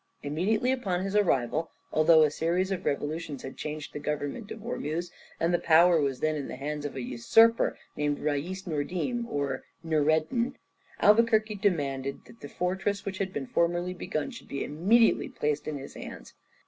Immediately upon his arrival, although a series of revolutions had changed the government of Ormuz and the power was then in the hands of a usurper named Rais Nordim or Noureddin, Albuquerque demanded that the fortress, which had been formerly begun, should be immediately placed in his hands.